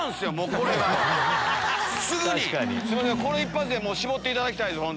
これ一発で絞っていただきたいです。